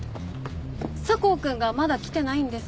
佐向くんがまだ来てないんですが。